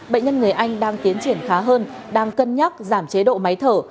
bệnh nhân người anh đang tiến triển khá hơn đang cân nhắc giảm chế độ máy thở